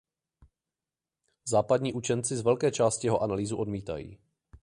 Západní učenci z velké části jeho analýzu odmítají.